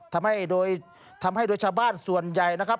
ทำให้โดยชาวบ้านส่วนใหญ่นะครับ